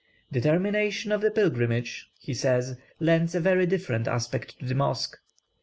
"The termination of the pilgrimage," he says, "lends a very different aspect to the mosque.